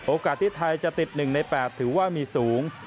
โอกาสที่ไทยจะติด๑ใน๘ถือว่ามีสูง